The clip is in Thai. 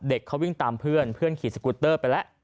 เขาวิ่งตามเพื่อนเพื่อนขี่สกุตเตอร์ไปแล้ว